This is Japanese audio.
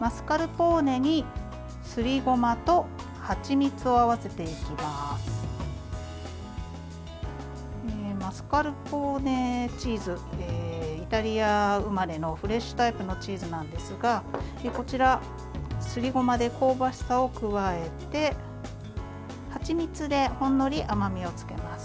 マスカルポーネチーズイタリア生まれのフレッシュタイプのチーズなんですがこちら、すりごまで香ばしさを加えてはちみつでほんのり甘みをつけます。